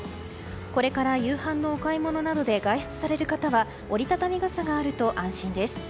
これから夕飯のお買い物などで外出される方は折り畳み傘があると安心です。